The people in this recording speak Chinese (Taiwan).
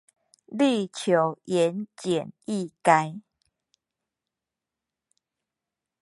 力求言簡意賅